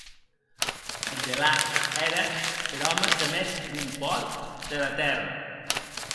Ath delà, ère er òme de mès bon pòrt deraTèrra.